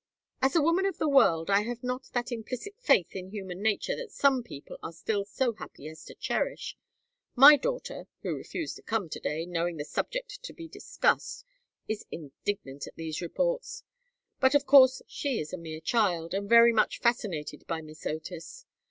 "As a woman of the world I have not that implicit faith in human nature that some people are still so happy as to cherish. My daughter who refused to come to day, knowing the subject to be discussed is indignant at these reports; but of course she is a mere child, and very much fascinated by Miss Otis.